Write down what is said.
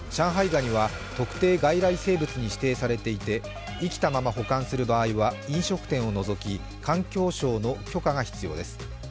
ガニは特定外来生物に指定されていて生きたまま保管する場合は飲食店を除き、環境省の許可が必要です。